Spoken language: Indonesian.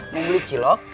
mau beli cilok